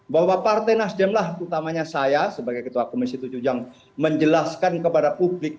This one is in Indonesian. bahwa partai nasdem lah utamanya saya sebagai ketua komisi tujuh yang menjelaskan kepada publik